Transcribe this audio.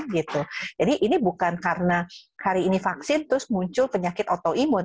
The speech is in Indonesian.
jadi ini bukan karena hari ini vaksin terus muncul penyakit autoimun